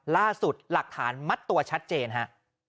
ล่าสุดหลักฐานมัดตัวชัดเจนค่ะ